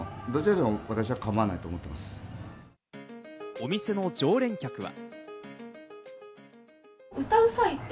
お店の常連客は。